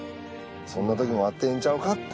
そんなときもあっていいんちゃうかって。